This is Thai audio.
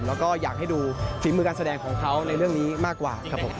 แล้วก็อยากให้ดูฝีมือการแสดงของเขาในเรื่องนี้มากกว่าครับผม